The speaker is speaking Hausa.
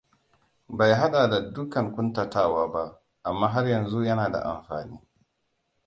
Bai haɗa da dukan ƙuntatawa ba, amma har yanzu yana da amfani.